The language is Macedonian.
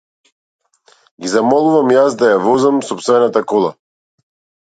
Ги замолувам јас да ја возам сопствената кола.